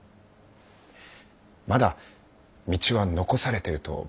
まだ道は残されてると僕は思います。